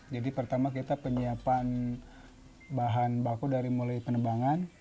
jadi pertama kita penyiapan bahan baku dari mulai penebangan